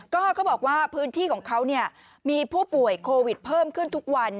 ก็เขาบอกว่าพื้นที่ของเขามีผู้ป่วยโควิดเพิ่มขึ้นทุกวัน